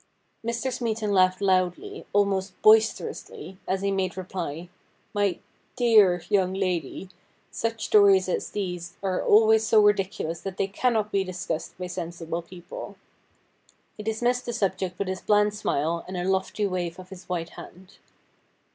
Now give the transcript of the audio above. Mr. Smeaton laughed loudly, almost boisterously, as he made reply :' My — dear — young lady, such stories as these are always so ridiculous that they cannot be discussed by sensible people.' He dismissed the subject with his bland smile and a lofty wave of his white hand.